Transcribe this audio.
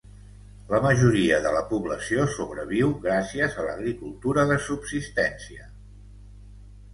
La majoria de la població sobreviu gràcies a l'agricultura de subsistència.